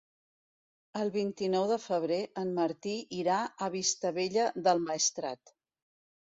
El vint-i-nou de febrer en Martí irà a Vistabella del Maestrat.